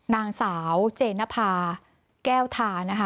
นางสาวเจนภาแก้วทานะคะ